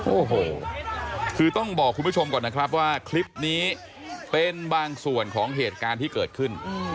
โอ้โหคือต้องบอกคุณผู้ชมก่อนนะครับว่าคลิปนี้เป็นบางส่วนของเหตุการณ์ที่เกิดขึ้น